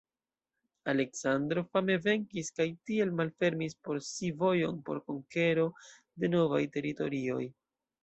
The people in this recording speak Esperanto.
Aleksandro fame venkis kaj tiel malfermis por si vojon por konkero de novaj teritorioj.